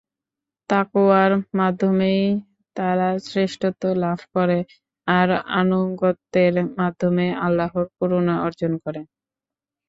তাকওয়ার মাধ্যমেই তারা শ্রেষ্ঠত্ব লাভ করে আর আনুগত্যের মাধ্যমেই আল্লাহর করুণা অর্জন করে।